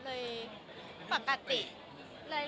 อเรนนี่ปุ๊ปอเรนนี่ปุ๊ป